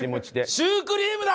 シュークリームだ！